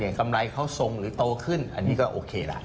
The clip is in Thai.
กำไรเขาทรงหรือโตขึ้นอันนี้ก็โอเคละ